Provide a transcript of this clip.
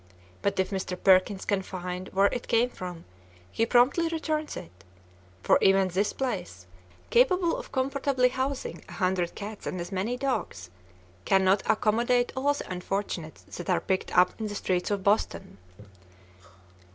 But if Mr. Perkins can find where it came from he promptly returns it, for even this place, capable of comfortably housing a hundred cats and as many dogs, cannot accommodate all the unfortunates that are picked up in the streets of Boston.